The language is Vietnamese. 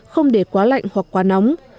không để quá lạnh hoặc quá nóng